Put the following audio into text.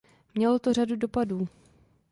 Mělo to řadu dopadů.